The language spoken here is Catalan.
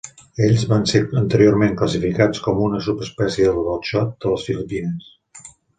Ells van ser anteriorment classificats com una subespècie del xot de les Filipines.